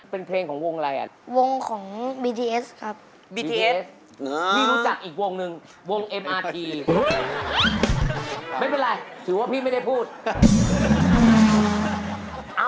เป็นเพลงของวงอะไรอะ